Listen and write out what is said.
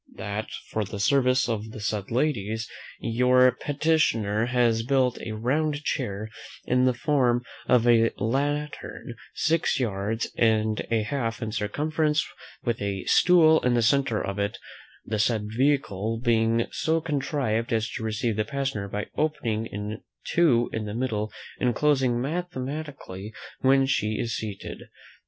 "That for the service of the said ladies, your petitioner has built a round chair, in the form of a lantern, six yards and a half in circumference, with a stool in the centre of it: the said vehicle being so contrived, as to receive the passenger by opening in two in the middle, and closing mathematically when she is seated.